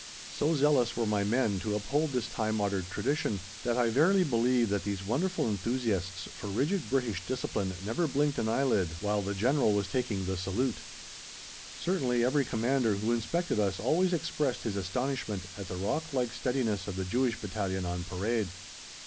So zealous were my men to uphold this time honoured tradition, that I verily believe that these wonderful enthusiasts for rigid British discipline never blinked an eyelid while the General was taking the salute. Certainly every Commander who inspected us always expressed his astonishment at the rock like steadiness of the Jewish Battalion on parade.